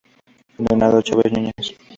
Donaldo Chávez Núñez.